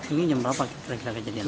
ini jam berapa kira kira kejadian